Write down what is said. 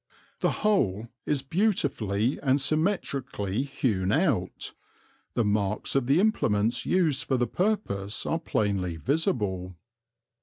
The whole is beautifully and symmetrically hewn out, the marks of the implements used for the purpose are plainly visible.